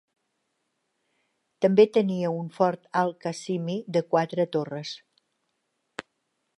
També tenia un fort Al-Qasimi de quatre torres.